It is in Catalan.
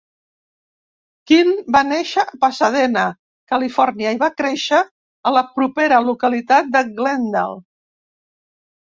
Quinn va néixer a Pasadena (Califòrnia) i va créixer a la propera localitat de Glendale.